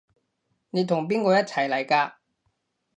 你同邊個一齊嚟㗎？